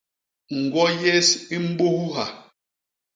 Ñgwo yés i mbuhha.